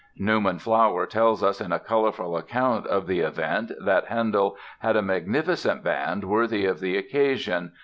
Newman Flower tells in a colorful account of the event that Handel had "a magnificent band worthy of the occasion